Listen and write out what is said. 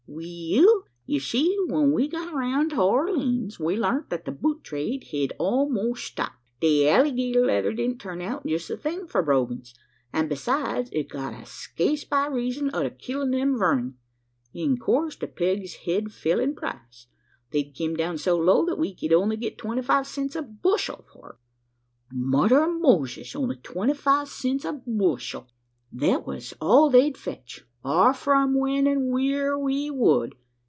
"We ell! ye see, when we got roun' to Orleens, we learnt that the boot trade hed a'most stopped. The allygator leather didn't turn out jest the thing for brogans; an' besides, it got sca'ce by reezun o' the killin' o' them verming. In coorse, the pegs hed fell in price; they'd kim down so low, that we ked only git twenty five cents a bushel for 'em!" "Mother ov Moses! only twenty five cents a bushel!" "Thet was all they'd fetch offer 'em when an' wheer we would.